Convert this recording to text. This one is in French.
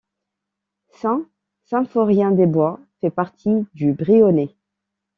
Saint-Symphorien-des-Bois fait partie du Brionnais.